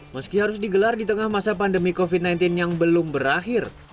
meski harus digelar di tengah masa pandemi covid sembilan belas yang belum berakhir